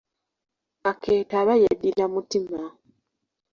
Kakeeto aba yeddira mutima.